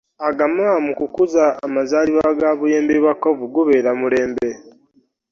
Agamaba mu kukuza amazaalibwa ga Buyembebwakkovu gubeera mulembe.